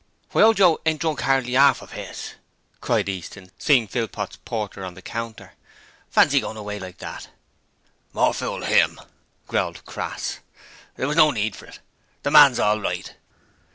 'Why, old Joe ain't drunk 'ardly 'arf of 'is!' cried Easton, seeing Philpot's porter on the counter. 'Fancy going away like that!' 'More fool 'im,' growled Crass. 'There was no need for it: the man's all right.'